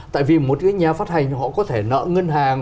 tại vì một cái nhà phát hành họ có thể nợ ngân hàng